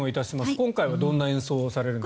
今回はどんな演奏をされるんですか？